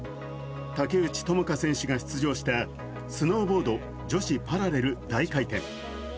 竹内智香選手が出場したスノーボード女子パラレル大回転。